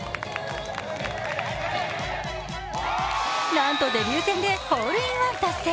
なんとデビュー戦でホールインワン達成。